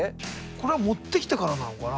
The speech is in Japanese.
これは持ってきてからなのかな？